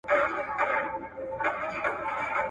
¬ تازي د ښکار پر وخت غول ونيسي.